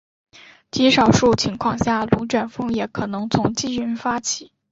极少数情况下龙卷风也可能从积云发起。